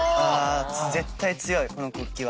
絶対強いこの国旗は。